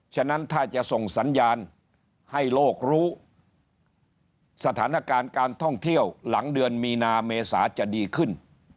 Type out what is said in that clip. ฉะนั้นถ้าจะส่งสัญญาณให้โลกรู้สถานการณ์การท่องเที่ยวหลังเดือนมีนาเมษาจะดีขึ้น